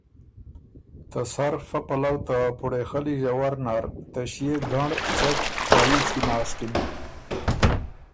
ته سر فۀ پلؤ ته پُوړېخلي ݫَوَر نر ته ݭيې ګنړ څټ خواييځ کی ناسکِن